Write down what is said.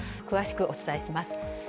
詳しくお伝えします。